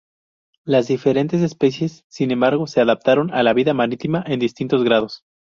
Las diferentes especies, sin embargo, se adaptaron a la vida marítima en distintos grados.